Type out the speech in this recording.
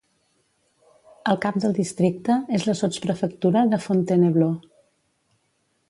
El cap del districte és la sotsprefectura de Fontainebleau.